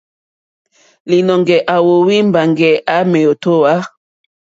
Lìnɔ̀ŋɡɛ̀ à óhwì mbàŋɡɛ̀ à mèótówà.